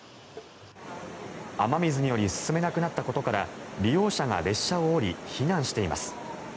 雨水により進めなくなったことから利用者が列車を降り避難しています。